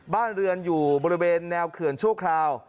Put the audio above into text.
บ้านเรือนอยู่บริเวณแนวเขื่อนชั่วคราว